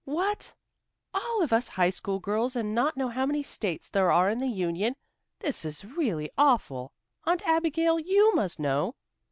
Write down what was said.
"What! All of us high school girls and not know how many states there are in the Union! This is really awful. Aunt Abigail, you must know."